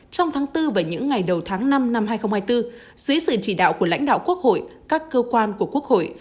trong tháng bốn và những ngày đầu tháng năm năm hai nghìn hai mươi bốn dưới sự chỉ đạo của lãnh đạo quốc hội các cơ quan của quốc hội